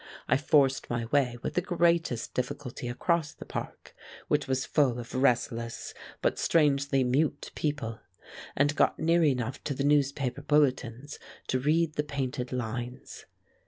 I forced my way with the greatest difficulty across the park, which was full of restless but strangely mute people, and got near enough to the newspaper bulletins to read the painted lines.